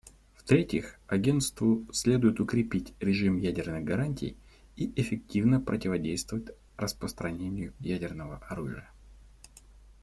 В-третьих, Агентству следует укрепить режим ядерных гарантий и эффективно противодействовать распространению ядерного оружия.